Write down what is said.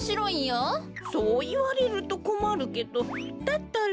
そういわれるとこまるけどだったら。